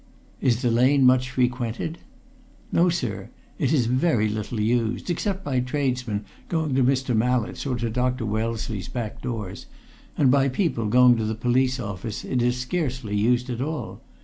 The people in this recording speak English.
"Is the lane much frequented?" "No, sir; it is very little used. Except by tradesmen going to Mr. Mallett's or to Dr. Wellesley's back doors, and by people going to the Police Office, it is scarcely used at all.